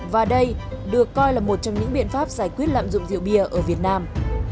và đây được coi là một trong những biện pháp giải quyết lạm dụng rượu bia ở việt nam